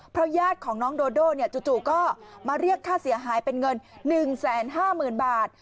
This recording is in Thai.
ญาติของน้องโดโด่จู่ก็มาเรียกค่าเสียหายเป็นเงิน๑๕๐๐๐บาท